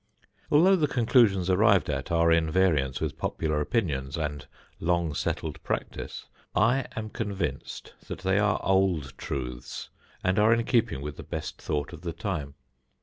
Although the conclusions arrived at are in variance with popular opinions and long settled practice, I am convinced that they are old truths and are in keeping with the best thought of the time.